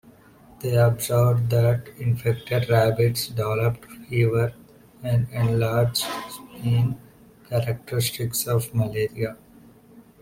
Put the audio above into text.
They observed that infected rabbits developed fever and enlarged spleen, characteristics of malaria.